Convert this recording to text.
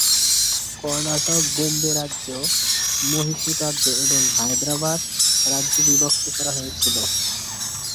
কর্ণাটক বোম্বে রাজ্য, মহীশূর রাজ্য এবং হায়দরাবাদ রাজ্যে বিভক্ত করা হয়েছিল।